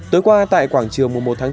tối qua tại quảng trường mùa một tháng bốn